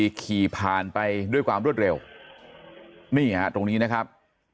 ขี่ผ่านไปด้วยความรวดเร็วนี่ฮะตรงนี้นะครับ